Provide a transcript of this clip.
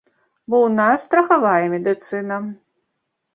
Бо ў нас страхавая медыцына.